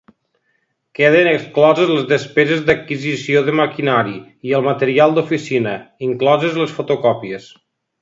Queden excloses les despeses d'adquisició de maquinari i el material d'oficina, incloses les fotocòpies.